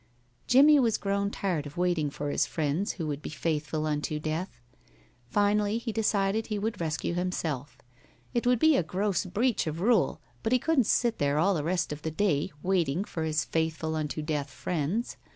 Jimmie was grown tired of waiting for his friends who would be faithful unto death. Finally he decided that he would rescue himself. It would be a gross breach of rule, but he couldn't sit there all the rest of the day waiting for his faithful unto death friends.